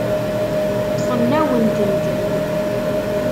Ṭṭfen-awen-tent-id.